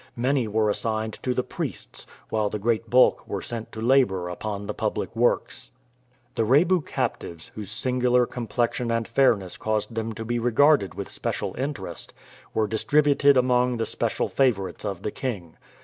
Many were assigned to the priests, while the great bulk were sent to labor upon the public works. The Rebu captives, whose singular complexion and fairness caused them to be regarded with special interest, were distributed among the special favorites of the king.